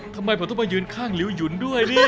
ทำไมผมต้องไปยืนข้างลิ้วยุ้นด้วยเนี่ย